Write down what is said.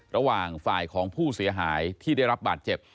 ระหว่างฝ่ายของผู้เสียหายที่ได้รับบาดเจ็บ